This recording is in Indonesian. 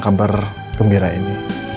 kabar gembira ini